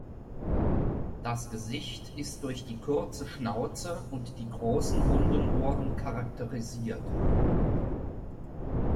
Das Gesicht ist durch die kurze Schnauze und die großen runden Ohren charakterisiert.